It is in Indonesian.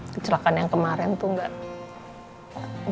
kecelakaan yang kemarin tuh enggak